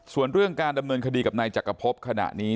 ส่วนเรื่องการดำเนินคดีกับนายจักรพบขณะนี้